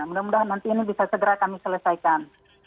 mudah mudahan nanti ini bisa segera kami selesaikan